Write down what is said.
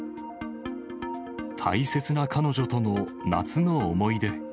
大切な彼女との夏の思い出。